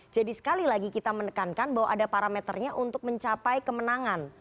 sekali lagi kita menekankan bahwa ada parameternya untuk mencapai kemenangan